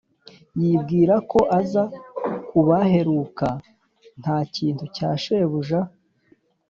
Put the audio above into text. yibwira ko aza kubaheruka nta kintu cya shebuja